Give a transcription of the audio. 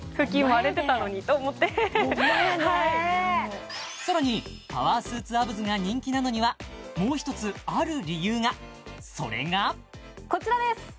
はいさらにパワースーツアブズが人気なのにはもう一つある理由がそれがこちらです！